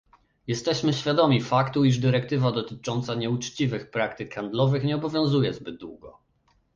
Jesteśmy świadomi faktu, iż dyrektywa dotycząca nieuczciwych praktyk handlowych nie obowiązuje zbyt długo